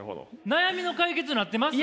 悩みの解決なってます？